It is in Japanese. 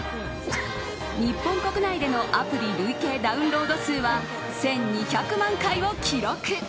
日本国内でのアプリ累計ダウンロード数は１２００万回を記録。